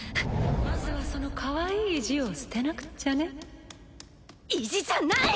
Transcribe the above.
まずはそのかわいい意地を捨てなく意地じゃない！